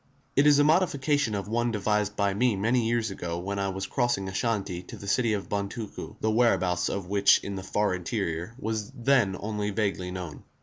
It is a modification of one devised by me many years ago when I was crossing Ashanti to the city of Bontuku, the whereabouts of which in the far interior was then only vaguely known.